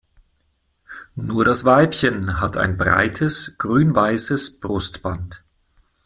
Nur das Weibchen hat ein breites grün-weißes Brustband.